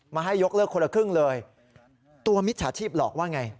ให้ยกเลิกคนละครึ่งเลยตัวมิจฉาชีพหลอกว่าไง